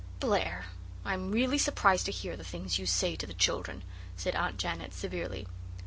"Blair, I'm really surprised to hear the things you say to the children," said Aunt Janet severely.